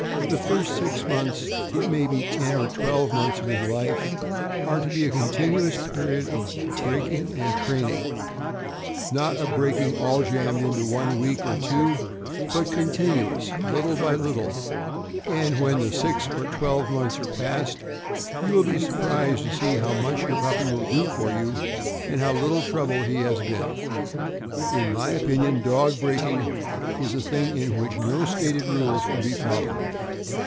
The first six months — it may be ten or twelve months — of his life are to be a continuous period of breaking and training — not a breaking all jammed into one week, or two, but continuous, little by little; and when the six or twelve months are past, you will be surprised to see how much your puppy will do for you, and how little trouble he has been. In my opinion, dog breaking is a thing in which no stated rules can be followed.